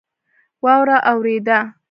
واوره اوورېده